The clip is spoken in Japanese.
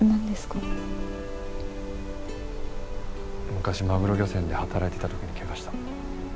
昔マグロ漁船で働いてた時に怪我した。